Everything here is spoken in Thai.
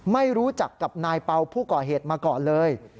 ไม่รู้จักกับนายเป่าผู้ก่อเหตุมาก่อนเลย